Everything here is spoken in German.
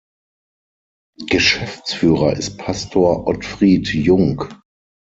Geschäftsführer ist Pastor Otfried Junk.